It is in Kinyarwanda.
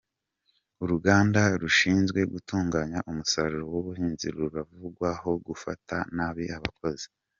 Uruganda rushinzwe gutunganya umusaruro wubuhinzi ruravugwaho gufata nabi abakozi